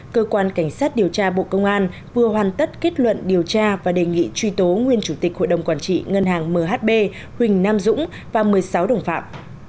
cơ quan cảnh sát điều tra bộ công an vừa hoàn tất kết luận điều tra và đề nghị truy tố nguyên chủ tịch hội đồng quản trị ngân hàng mhb huỳnh nam dũng và một mươi sáu đồng phạm